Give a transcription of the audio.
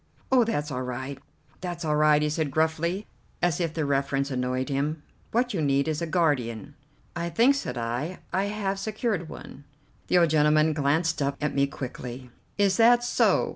"Oh, that's all right, that's all right!" he said gruffly, as if the reference annoyed him. "What you need is a guardian." "I think," said I, "I have secured one." The old gentleman glanced up at me quickly. "Is that so?